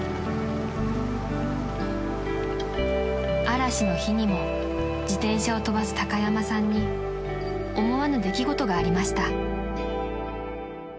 ［嵐の日にも自転車を飛ばす高山さんに思わぬ出来事がありました］